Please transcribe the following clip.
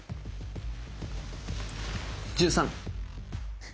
１３！